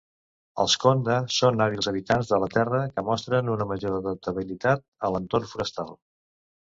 Els Kondha són hàbils habitants de la terra que mostren una major adaptabilitat a l'entorn forestal.